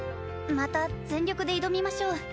また全力で挑みましょう。